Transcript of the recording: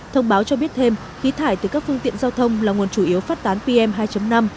thông báo cho biết thêm khí thải từ các phương tiện giao thông là nguồn chủ yếu phát tán pm hai năm